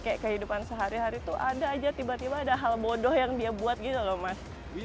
kayak kehidupan sehari hari tuh ada aja tiba tiba ada hal bodoh yang dia buat gitu loh mas